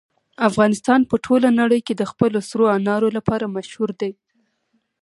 افغانستان په ټوله نړۍ کې د خپلو سرو انارو لپاره مشهور دی.